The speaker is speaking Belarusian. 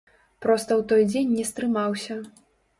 Проста ў той дзень не стрымаўся.